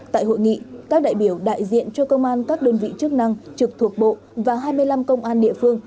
tại hội nghị các đại biểu đại diện cho công an các đơn vị chức năng trực thuộc bộ và hai mươi năm công an địa phương